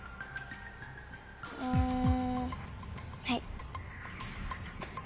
うんはい。